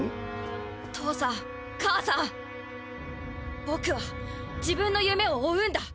父さん母さんぼくは自分のゆめを追うんだ。